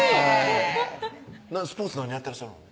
スポーツ何やってらっしゃるの？